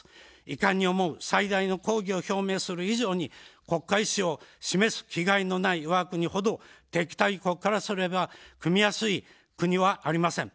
遺憾に思う、最大の抗議を表明する以上に国家意志を示す気概のないわが国ほど敵対国からすれば組みやすい国はありません。